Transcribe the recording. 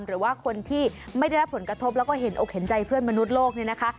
หรือว่าคนที่ไม่ได้รับผลกระทบแล้วก็เห็นอกเห็นใจเพื่อนมนุษย์โลกเนี่ยนะคะ